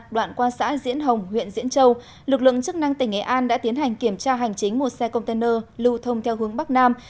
đoạn qua xã diễn hồng huyện diễn châu lực lượng chức năng tỉnh nghệ an đã tiến hành kiểm tra hành chính một xe container lưu thông theo hướng bắc nam